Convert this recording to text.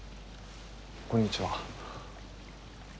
こんにちは。